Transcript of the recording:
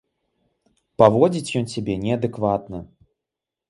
Паводзіць ён сябе неадэкватна.